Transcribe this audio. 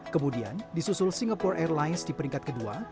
kemudian disusul singapore airlines di peringkat kedua